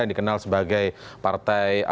yang dikenal sebagai partai